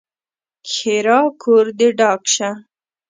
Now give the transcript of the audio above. ښېرا: کور دې ډاک شه!